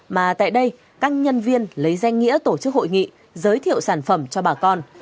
mà tại đây các nhân viên lấy danh nghĩa tổ chức hội nghị giới thiệu sản phẩm cho bà con